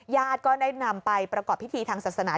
ญาติก็ได้นำไปประกอบพิธีทางศาสนา